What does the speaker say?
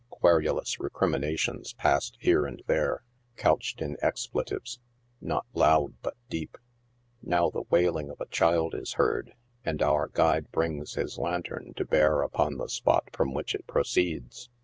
Querulous recriminations passed here and there, couched in expletives " not loud but deep." Now the wailing of a child is heard, and our guido brings his lantern to bear upon the spot from which it proceeds.